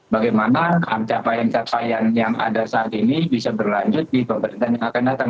bagaimana capaian capaian yang ada saat ini bisa berlanjut di pemerintahan yang akan datang